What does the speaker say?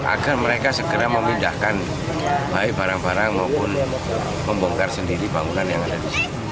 agar mereka segera memindahkan baik barang barang maupun pembongkar sendiri bangunan yang ada disini